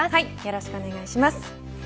よろしくお願いします。